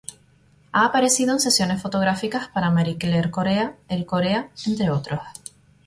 Ha aparecido en sesiones fotográficas para "Marie Claire Korea", "Elle Korea", entre otros.